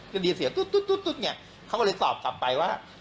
ก็ยินเสียงตุ๊ดตุ๊ดตุ๊ดตุ๊ดเนี่ยเขาก็เลยตอบกลับไปว่า